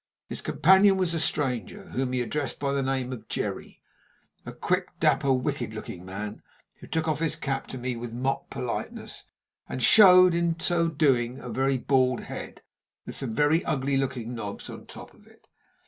His companion was a stranger, whom he addressed by the name of Jerry a quick, dapper, wicked looking man, who took off his cap to me with mock politeness, and showed, in so doing, a very bald head, with some very ugly looking knobs on it.